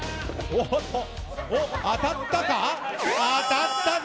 当たったぞ！